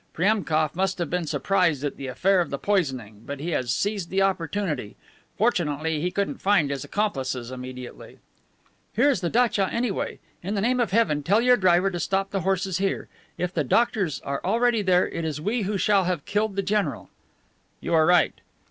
Priemkof must have been surprised at the affair of the poisoning, but he has seized the opportunity; fortunately he couldn't find his accomplices immediately." "Here is the datcha, anyway. In the name of heaven, tell your driver to stop the horses here. If the 'doctors' are already there it is we who shall have killed the general." "You are right."